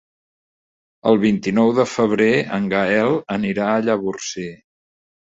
El vint-i-nou de febrer en Gaël anirà a Llavorsí.